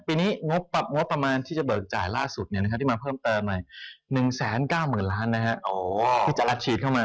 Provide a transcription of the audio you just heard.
ปีนี้งบประมาณที่จะเบิกจ่ายล่าสุดที่มาเพิ่มเติม๑๙๐๐๐ล้านที่จะรับฉีดเข้ามา